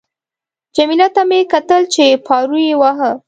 جميله ته مې کتل چې پارو یې واهه.